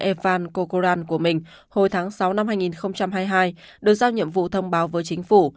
evfan cokoran của mình hồi tháng sáu năm hai nghìn hai mươi hai được giao nhiệm vụ thông báo với chính phủ